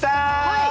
はい！